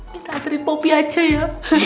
minta hantarin popi aja ya